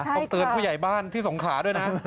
ต้องเตือนผู้ใหญ่บ้านที่สงขาด้วยนะ